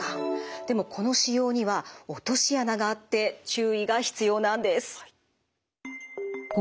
でもこの使用には落とし穴があって注意が必要なんです。